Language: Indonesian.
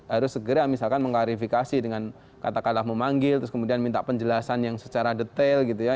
harus segera misalkan mengklarifikasi dengan katakanlah memanggil terus kemudian minta penjelasan yang secara detail gitu ya